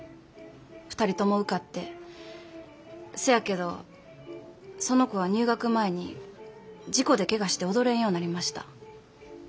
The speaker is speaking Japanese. ２人とも受かってせやけどその子は入学前に事故でケガして踊れんようになりました。